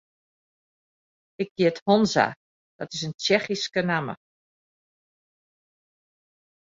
Ik hyt Honza, dat is in Tsjechyske namme.